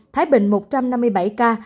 thái bình một trăm năm mươi bảy ca